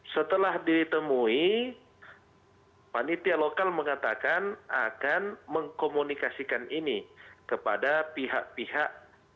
setelah ditemui panitia lokal mengatakan akan mengkomunikasikan ini kepada pihak pihak